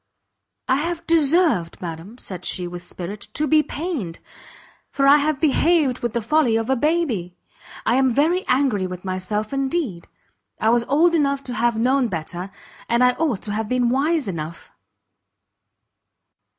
"I have deserved, madam," said she, with spirit, "to be pained, for I have behaved with the folly of a baby. I am very angry with myself indeed! I was old enough to have known better, and I ought to have been wise enough."